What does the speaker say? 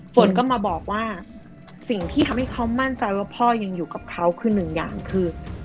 ฝนก็มาบอกว่าสิ่งที่ทำให้เขามั่นใจว่าพ่อยังอยู่กับเขาคือหนึ่งอย่างคือ